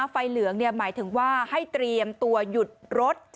เหลืองหมายถึงว่าให้เตรียมตัวหยุดรถ